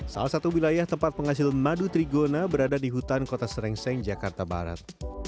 salah satu wilayah tempat penghasil madu trigona berada di hutan kota serengseng jakarta barat